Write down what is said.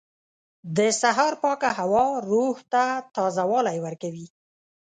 • د سهار پاکه هوا روح ته تازهوالی ورکوي.